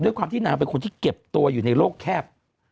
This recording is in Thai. ด้วยความที่นางเป็นคนที่เก็บตัวอยู่ในโลกแคบ